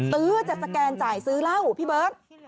ื้อจะสแกนจ่ายซื้อเหล้าพี่เบิร์ต